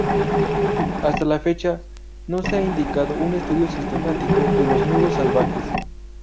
Hasta la fecha no se ha iniciado un estudio sistemático de los nudos salvajes.